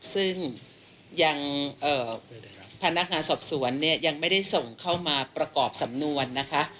ซึ่งยังพนักงานสอบสวนเนี่ยยังไม่ได้ส่งเข้ามาประกอบสำนวนนะคะ